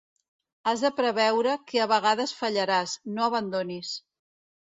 Has de preveure que a vegades fallaràs, no abandonis.